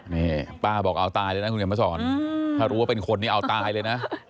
นี่ป้าบอกเอาตายเลยนะคุณเขียนมาสอนถ้ารู้ว่าเป็นคนนี้เอาตายเลยนะ